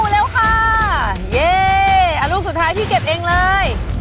แล้วค่ะเย่ลูกสุดท้ายพี่เก็บเองเลย